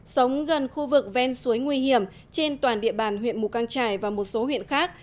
sống gần khu vực ven suối nguy hiểm trên toàn địa bàn huyện mù căng trải và một số huyện khác